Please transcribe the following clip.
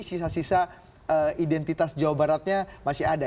sisa sisa identitas jawa baratnya masih ada